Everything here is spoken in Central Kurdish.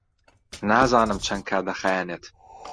نازانم چەند کات دەخایەنێت.